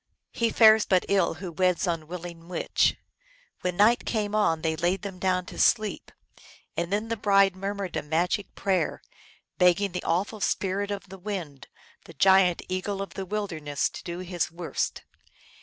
He fares but ill who weds unwilling witch. When night came on they laid them down to sleep, and then the bride murmured a magic prayer, begging the awful Spirit of the Wind, the giant Eagle of the wilderness, to do his worst.